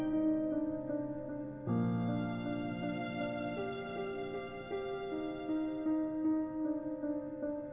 ขอขอบภัยหนูด้วยนะ